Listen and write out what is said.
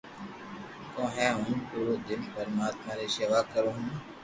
ڪو ھي ھون پورو دن پرماتم ري ݾيوا ڪرو ھ